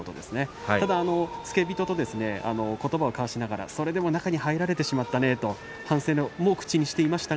ただ付け人とことばを交わしながらそれでも中に入られしまいましたねと反省も口にしていました。